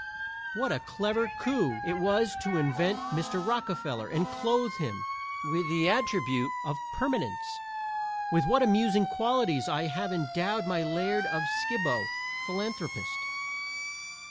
What a clever coup it was to invent Mr. Rockefeller and clothe him with the attribute of permanence! With what amusing qualities I have endowed my laird of Skibo, philanthropist.